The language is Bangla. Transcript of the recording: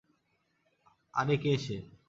আরে কে সে?